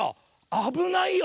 「あぶないよ」。